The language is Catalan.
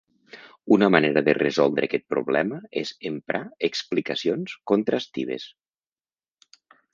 Una manera de resoldre aquest problema és emprar explicacions contrastives.